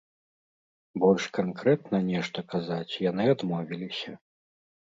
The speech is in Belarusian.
Больш канкрэтна нешта казаць яны адмовіліся.